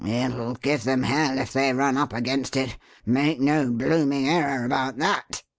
"It'll give 'em hell if they run up against it make no blooming error about that!"